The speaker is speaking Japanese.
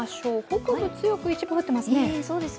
北部、一部、降ってますね。